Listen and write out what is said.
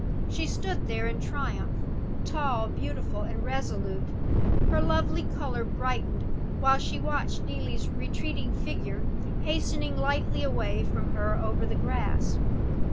She stood there in triumph, tall, beautiful, and resolute. Her lovely color brightened while she watched Neelie's retreating figure hastening lightly away from her over the grass.